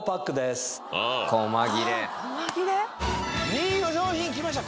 ２位の商品きました。